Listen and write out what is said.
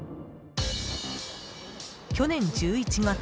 去年１１月。